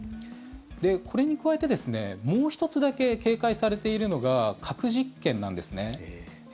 これに加えてもう１つだけ警戒されているのが核実験なんですね。